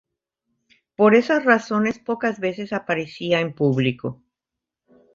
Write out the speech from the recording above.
Por esas razones, pocas veces aparecía en público.